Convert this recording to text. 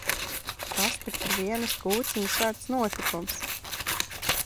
Tas tak ir vienas kūciņas vērts notikums!